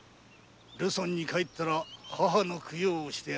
ルソンに帰ったら母の供養をしてやれよ。